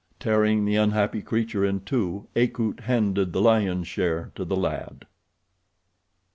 Tearing the unhappy creature in two Akut handed the lion's share to the lad.